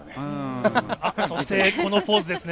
そしてこのポーズですね。